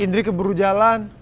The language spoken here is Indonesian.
indri keburu jalan